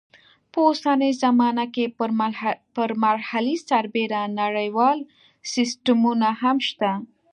په اوسنۍ زمانه کې پر محلي سربېره نړیوال سیسټمونه هم شته.